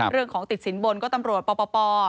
เรื่องของติดสินบนก็ตำรวจปป